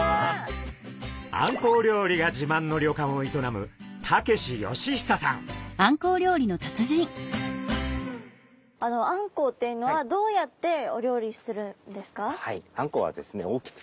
あんこう料理がじまんの旅館を営むあんこうっていうのはどうやってお料理するんですか？